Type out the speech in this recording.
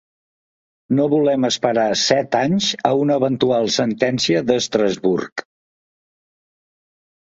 No volem esperar set anys a una eventual sentència d’Estrasburg.